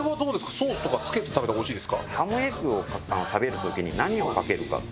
ソースとかつけて食べた方がおいしいですか？